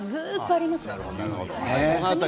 ずっとあります。